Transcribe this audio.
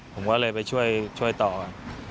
ผมก็เลยไปช่วยต่อ